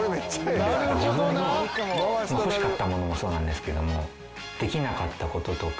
自分の欲しかったものもそうなんですけどもできなかった事とか。